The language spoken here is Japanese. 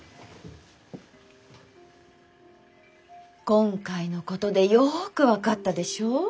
今回のことでよく分かったでしょ？